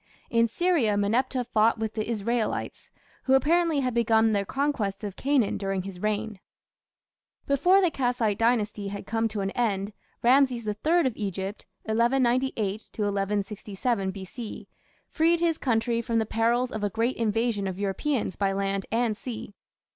In Syria, Meneptah fought with the Israelites, who apparently had begun their conquest of Canaan during his reign. Before the Kassite Dynasty had come to an end, Rameses III of Egypt (1198 1167 B.C.) freed his country from the perils of a great invasion of Europeans by land and sea.